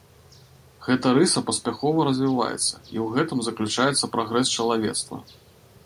Гэта рыса паспяхова развіваецца, і ў гэтым заключаецца прагрэс чалавецтва.